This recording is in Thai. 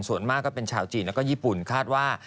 ส่วนมากก็เป็นชาวจีนแล้วก็ญี่ปุ่นคาดว่า